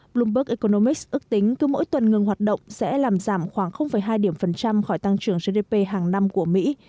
bloomberg economics ước tính cứ mỗi tuần ngừng hoạt động sẽ làm giảm khoảng hai điểm phần trăm khỏi tăng trưởng gdp hàng năm của mỹ